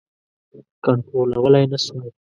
کنټرولولای نه سوای.